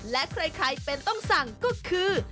และใครเป็นต้องสั่งก็คือ